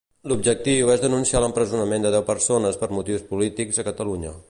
L'objectiu és denunciar l'empresonament de deu persones per motius polítics a Catalunya.